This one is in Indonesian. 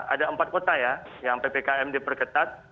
ada empat kota ya yang ppkm diperketat